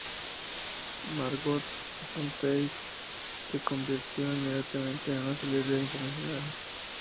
Margot Fonteyn se convirtió inmediatamente en una celebridad internacional.